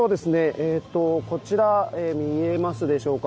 えっと、こちら見えますでしょうか。